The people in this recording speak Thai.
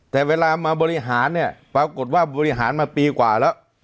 แต่เวลามาบริหารเนี่ยปรากฏว่าบริหารมาปีกว่าแล้ว